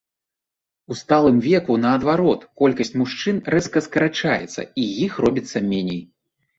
У сталым веку наадварот колькасць мужчын рэзка скарачаецца і іх робіцца меней.